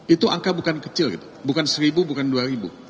itu angka bukan kecil gitu bukan seribu bukan dua ribu